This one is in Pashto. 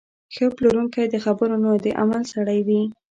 ښه پلورونکی د خبرو نه، د عمل سړی وي.